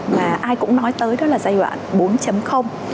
mà ai cũng nói tới đó là giai đoạn bốn